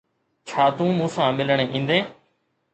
ڇا تون مون سان ملڻ ايندين؟